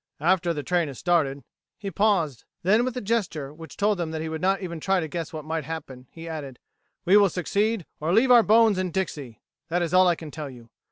After the train has started...." He paused; then, with a gesture which told them that he would not even try to guess what might happen, he added: "We will succeed or leave our bones in Dixie! That is all I can tell you.